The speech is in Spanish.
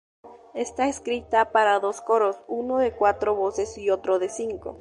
Está escrita para dos coros, uno de cuatro voces y otro de cinco.